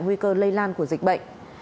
nguy cơ lây lan của dịch bệnh